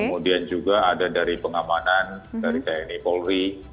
kemudian juga ada dari pengamanan dari kayak ini polri